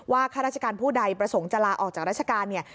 ข้าราชการผู้ใดประสงค์จะลาออกจากราชการเนี่ย